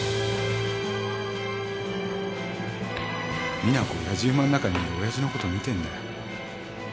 実那子やじ馬の中にいる親父のこと見てんだよ。